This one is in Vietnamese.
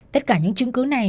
tất cả những chứng cứ này